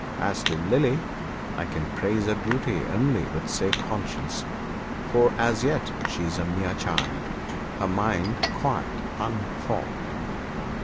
As to Lily, I can praise her beauty only with safe conscience, for as yet she is a mere child her mind quite unformed."